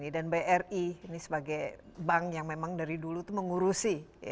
dan bri ini sebagai bank yang memang dari dulu mengurusi